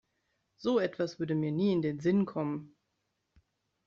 So etwas würde mir nie in den Sinn kommen.